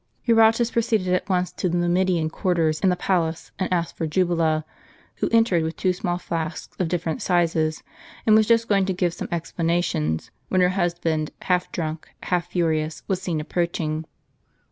Eurotas fjroceeded at once to the JSTumidian quarters in the palace, and asked for Jubala ; who entered with two small flasks of different sizes, and was just going to give some explanations, when her husband, half drunk, half furious, was seen approaching.